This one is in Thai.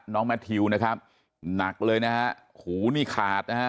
แมททิวนะครับหนักเลยนะฮะหูนี่ขาดนะฮะ